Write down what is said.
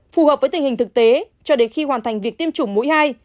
phù hợp với tình hình thực tế cho đến khi hoàn thành việc tiêm chủng mũi hai